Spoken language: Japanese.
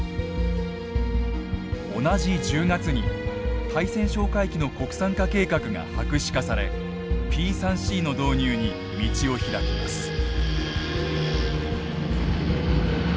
同じ１０月に対潜哨戒機の国産化計画が白紙化されＰ３Ｃの導入に道を開きます。